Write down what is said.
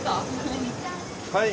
はい。